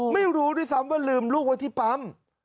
ไม่รู้ด้วยซ้ำว่าลืมลูกไว้ที่ปั๊ม